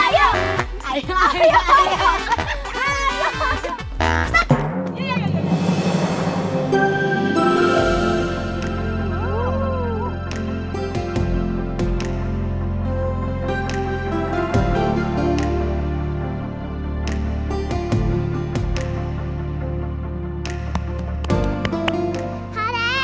halai papa bangun mamah